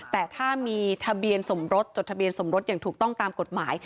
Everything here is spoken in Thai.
แต่ถ้ามีทะเบียนสมรสจดทะเบียนสมรสอย่างถูกต้องตามกฎหมาย